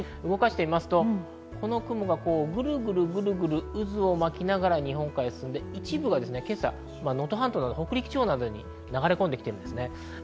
動かすとこの雲がグルグルと渦を巻きながら、日本海へ進んで、一部が今朝、能登半島など北陸地方などに流れ込んできています。